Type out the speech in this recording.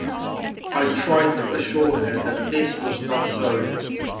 I tried to assure her that this was not so.